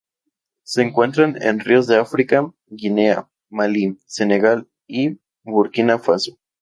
Se encuentran en ríos de África: Guinea, Malí, Senegal y Burkina Faso.